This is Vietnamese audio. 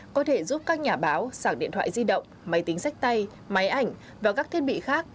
có thể giúp các nhà báo sảng điện thoại di động máy tính sách tay máy ảnh và các thiết bị khác